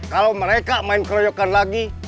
kalau mereka main keroyokan lagi